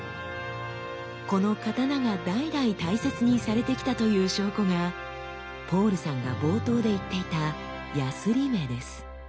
この刀が代々大切にされてきたという証拠がポールさんが冒頭で言っていた「やすり目」です。